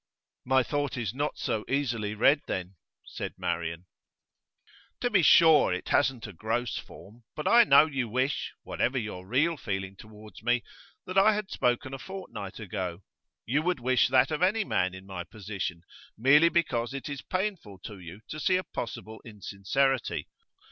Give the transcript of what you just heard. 'My thought is not so easily read, then,' said Marian. 'To be sure it hasn't a gross form, but I know you wish whatever your real feeling towards me that I had spoken a fortnight ago. You would wish that of any man in my position, merely because it is painful to you to see a possible insincerity.